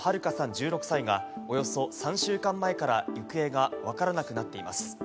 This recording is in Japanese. １６歳がおよそ３週間前から行方がわからなくなっています。